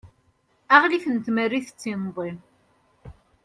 aɣlif n tmerrit d tinḍi